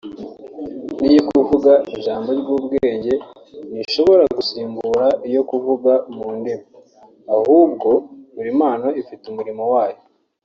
n’ iyo kuvuga ijambo ry’ubwenge ntishobora gusimbura iyo kuvuga mu ndimi ahubwo buri mpano ifite umurimo wayo